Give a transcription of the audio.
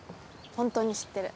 本当に知ってる。